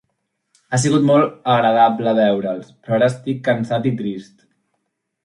Ha sigut molt agradable veure'ls, però ara estic cansat i trist.